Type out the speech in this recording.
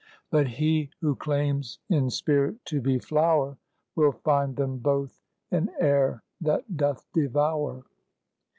But he who claims in spirit to be flower, Will find them both an air that doth devour.